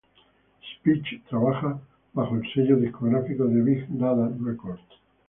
Speech trabaja bajo el sello discográfico Big Dada Records.